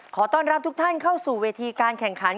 ขอต้อนรับทุกท่านเข้าสู่เวทีการแข่งขัน